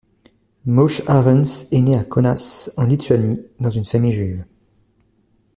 Moshe Arens est né à Kaunas en Lituanie dans une famille juive.